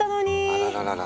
あらららら。